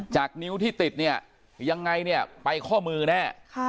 นิ้วที่ติดเนี่ยยังไงเนี่ยไปข้อมือแน่